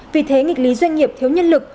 vì thế nghịch lý doanh nghiệp thiếu nhân lực